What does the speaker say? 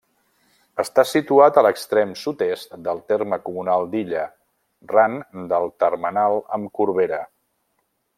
Està situat a l'extrem sud-est del terme comunal d'Illa, ran del termenal amb Corbera.